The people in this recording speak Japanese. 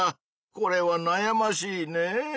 これはなやましいねぇ。